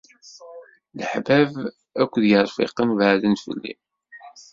Leḥbab akked yirfiqen beɛden fell-i.